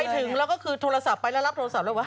ถึงแล้วก็คือโทรศัพท์ไปแล้วรับโทรศัพท์เลยว่า